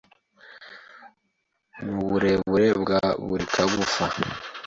mu burebure bwa buri kagufa